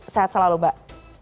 sehat selalu mbak